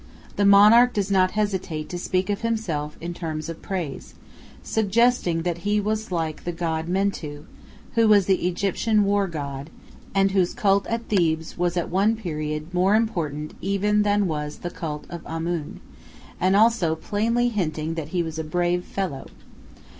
The monarch does not hesitate to speak of himself in terms of praise, suggesting that he was like the God Mentu, who was the Egyptian war god, and whose cult at Thebes was at one period more important even than was the cult of Amun, and also plainly hinting that he was a brave fellow.